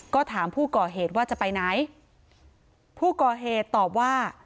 ก็ถามผู้ก่อเหตุว่าจะไปไหนผู้ก่อเหตุตอบว่า